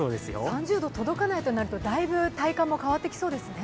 ３０度、届かないとなると、だいぶ体感も変わってきそうですね。